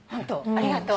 ありがとう。